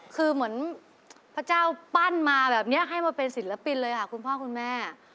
คือเหมือนพระเจ้าปั้นมาแบบนี้ให้มาเป็นศิลปินเลยค่ะคุณพ่อคุณแม่